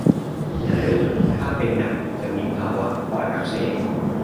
หรือถ้าเป็นหนักจะมีภาวะปอดอักเสบ